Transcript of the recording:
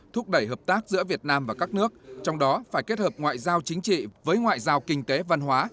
thúc đẩy hợp tác giữa việt nam và các nước trong đó phải kết hợp ngoại giao chính trị với ngoại giao kinh tế văn hóa